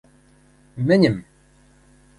Мӹньӹм!